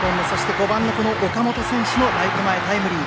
５番の岡本選手のライト前タイムリー。